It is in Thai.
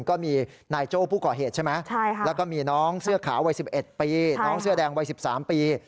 ก็มีนายโจ้ผู้ก่อเหตุใช่ไหมแล้วก็มีน้องเสื้อขาววัย๑๑ปีน้องเสื้อแดงวัย๑๓ปี